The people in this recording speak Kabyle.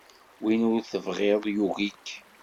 Win i tebɣiḍ yugi-k.